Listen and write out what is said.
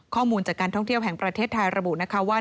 ข้อมูลจากการท่องเที่ยวแห่งประเทศไทยระบุนะคะว่า